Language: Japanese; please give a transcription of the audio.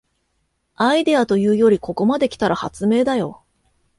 アイデアというよりここまで来たら発明だよ